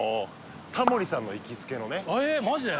タモリさんの行きつけのねへえマジで？